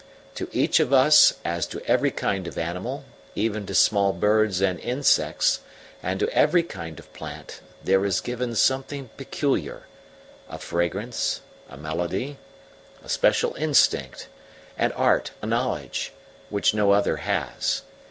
"To each of us, as to every kind of animal, even to small birds and insects, and to every kind of plant, there is given something peculiar a fragrance, a melody, a special instinct, an art, a knowledge, which no other has.